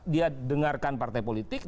dia dengarkan partai politik